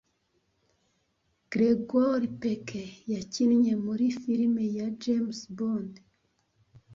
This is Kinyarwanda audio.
Gregory Peck yakinnye muri firime ya james Bond